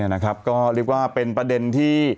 นะครับก็เรียกว่าเป็นประเด็นที่